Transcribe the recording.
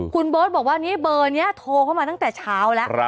คุณเบิร์ตบอกว่านี่เบอร์นี้โทรเข้ามาตั้งแต่เช้าแล้ว